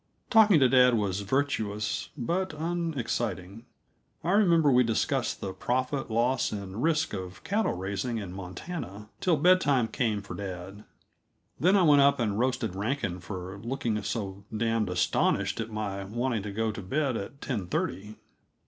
Talking to dad was virtuous, but unexciting. I remember we discussed the profit, loss, and risk of cattle raising in Montana, till bedtime came for dad. Then I went up and roasted Rankin for looking so damned astonished at my wanting to go to bed at ten thirty.